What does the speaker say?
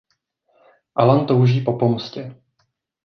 Alan touží po pomstě.